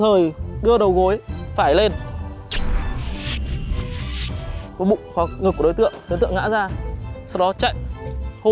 vậy đối với mình assembly ngay chứ